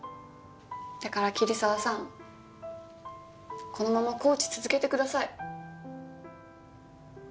だから桐沢さんこのままコーチ続けてください。